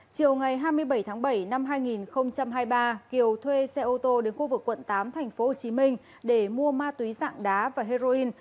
chiều ngày hai mươi bảy tháng bảy năm hai nghìn hai mươi ba kiều thuê xe ô tô đến khu vực quận tám thành phố hồ chí minh để mua ma túy dạng đá và heroin